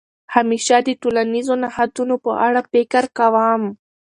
همېشه د ټولنیزو نهادونو په اړه فکر کوم.